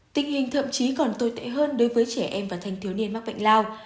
tình hình thậm chí còn tồi tệ hơn đối với trẻ em và thanh thiếu niên mắc bệnh lao